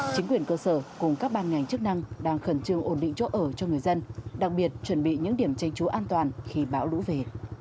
chính quyền cơ sở cùng các ban ngành chức năng đang khẩn trương ổn định chỗ ở cho người dân đặc biệt chuẩn bị những điểm tranh trú an toàn khi bão lũ về